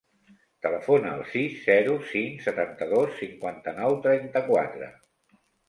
Telefona al sis, zero, cinc, setanta-dos, cinquanta-nou, trenta-quatre.